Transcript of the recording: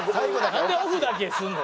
なんでオフだけするの。